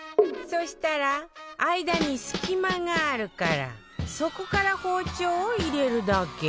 そしたら間に隙間があるからそこから包丁を入れるだけ